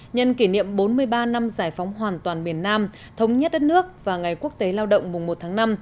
nhân kỷ niệm bốn mươi ba năm giải phóng hoàn toàn miền nam thống nhất đất nước và ngày quốc tế lao động mùng một tháng năm